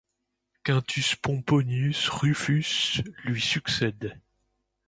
Quintus Pomponius Rufus lui succède.